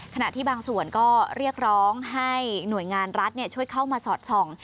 ขณะที่บางส่วนก็เรียกร้องให้หน่วยงานรัฐช่วยเข้ามาสอดส่อง